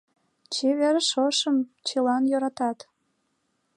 Чевер шошым чылан йöратат.